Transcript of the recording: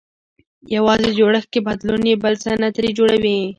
يوازې جوړښت کې بدلون يې بل څه نه ترې جوړوي.